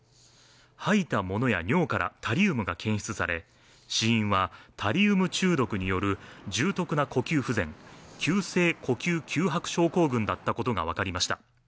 吐いたものや尿からタリウムが検出され、死因はタリウム中毒による重篤な呼吸不全急性呼吸窮迫症候群だったことが分かりました。